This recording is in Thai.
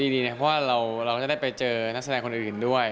ดีนะเพราะว่าเราจะได้ไปเจอนักแสดงคนอื่นด้วย